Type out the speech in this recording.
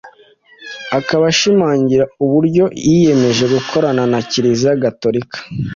akaba ashimangira uburyo yiyemeje gukorana na Kiriziya Gatolika